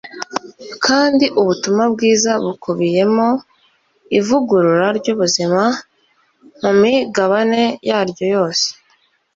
kandi ubutumwa bwiza bukubiyemo ivugurura ry'ubuzima mu migabane yaryo yose